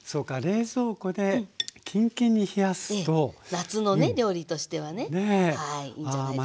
夏のね料理としてはねはいいいんじゃないですか。